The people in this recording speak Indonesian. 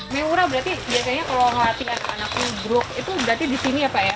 meimura berarti biasanya kalau melatih anak anak ludruk itu berarti di sini ya pak ya